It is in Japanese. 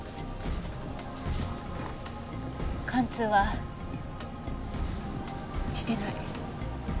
貫通はしてない。